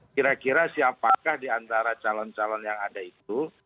kira kira siapakah diantara calon calon yang ada itu